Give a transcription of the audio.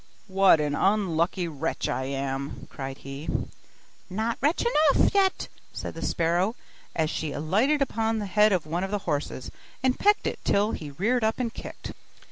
'What an unlucky wretch I am!' cried he. 'Not wretch enough yet!' said the sparrow, as she alighted upon the head of one of the horses, and pecked at him till he reared up and kicked.